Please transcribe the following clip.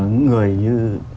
những người như